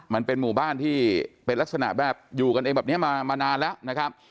มันเป็นหมู่บ้านที่เป็นลักษณะแบบอยู่กันเองแบบนี้มานานแล้วนะครับ